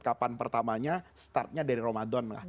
kapan pertamanya startnya dari romadhon